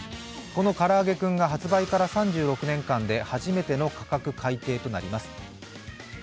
このからあげクンが発売から３６年間で初めての価格改定となります。